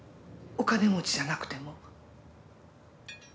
「お金持ちじゃなくても？」